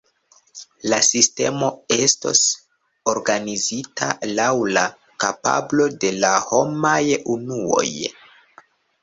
La sistemo estos organizita laŭ la kapablo de la homaj unuoj.